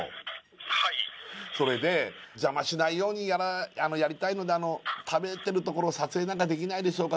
☎はいそれで邪魔しないようにやりたいので食べてるところを撮影なんかできないでしょうか？